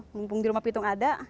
mumpung di rumah pitung ada